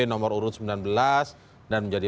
nomor urut sembilan belas dan menjadi